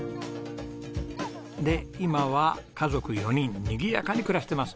で今は家族４人にぎやかに暮らしてます。